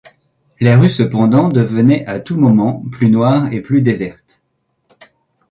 Les rues cependant devenaient à tout moment plus noires et plus désertes.